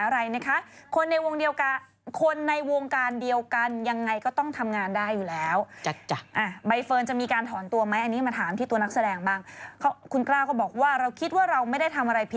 แล้วก็หายไปหลังม่านเมฆแต่ว่ามาเอาเห็นแล้วก็จับภาพได้